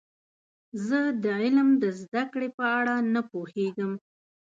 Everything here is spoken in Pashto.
زه د علم د زده کړې په اړه نه پوهیږم.